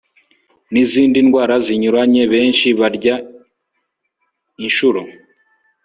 nizindi ndwara zinyuranye Benshi barya inshuro